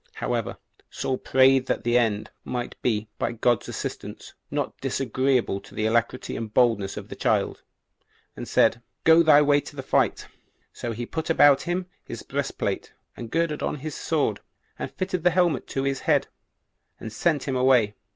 4. However, Saul prayed that the end might be, by God's assistance, not disagreeable to the alacrity and boldness of the child; and said, "Go thy way to the fight." So he put about him his breastplate, and girded on his sword, and fitted the helmet to his head, and sent him away.